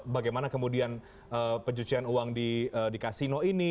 bagaimana kemudian pencucian uang di kasino ini